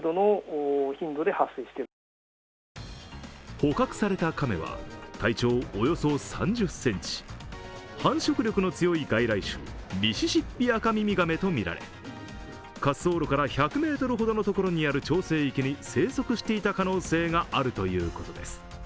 捕獲された亀は体長およそ３０ｃｍ繁殖力の強い外来種、ミシシッピアカミミガメとみられ滑走路から１００ｍほどのところにある調整池に生息していた可能性があるということです。